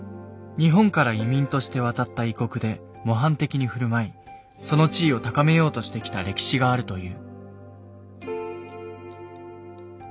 日本から移民として渡った異国で模範的に振る舞いその地位を高めようとしてきた歴史があるという。